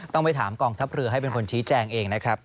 ต้องไปถามกองทัพเรือให้เป็นคนชี้แจงเองนะครับ